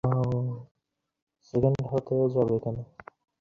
তিনি একজন আম্পায়ারের হয়ে উপস্থিত ছিলেন।